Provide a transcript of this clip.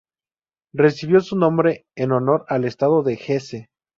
Recibió su nombre en honor al Estado de Hesse.